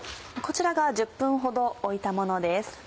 こちらが１０分ほど置いたものです。